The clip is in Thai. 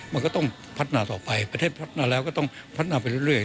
มันก็ต้องพัฒนาต่อไปประเทศพัฒนาแล้วก็ต้องพัฒนาไปเรื่อย